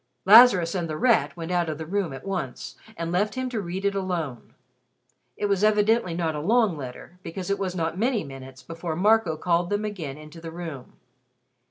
Lazarus and The Rat went out of the room at once, and left him to read it alone. It was evidently not a long letter, because it was not many minutes before Marco called them again into the room.